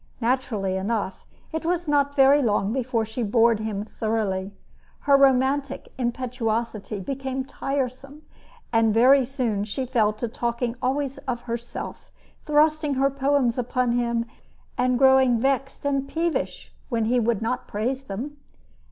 Naturally enough, it was not very long before she bored him thoroughly. Her romantic impetuosity became tiresome, and very soon she fell to talking always of herself, thrusting her poems upon him, and growing vexed and peevish when he would not praise them.